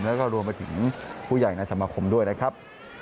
แล้วก็รวมไปถึงผู้ใหญ่ในสมาคมด้วยนะครับ